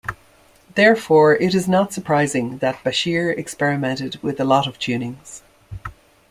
Therefore it is not surprising, that Bashir experimented with a lot of tunings.